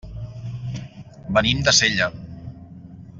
Venim de Sella.